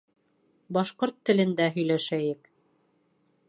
Башҡорт телендә һөйләшәйек